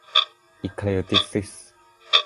อิเคลติคซิสม์